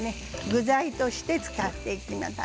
具材として使っていきます。